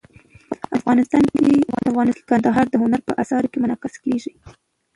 افغانستان کې کندهار د هنر په اثار کې منعکس کېږي.